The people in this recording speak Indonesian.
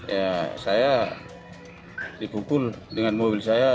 ya saya dipukul dengan mobil saya